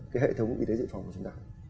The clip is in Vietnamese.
cái hệ thống y tế dự phòng của chúng ta